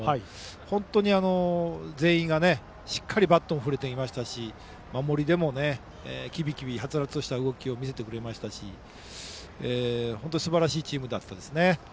本当に全員がしっかりバットも振れていましたし守りでも、きびきびはつらつとした動きを見せてくれていましたし本当にすばらしいチームでしたね。